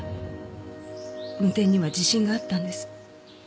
運転には自信があったんです。